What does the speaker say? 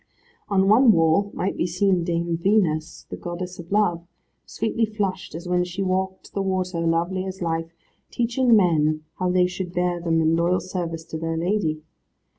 On one wall might be seen Dame Venus, the goddess of Love, sweetly flushed as when she walked the water, lovely as life, teaching men how they should bear them in loyal service to their lady.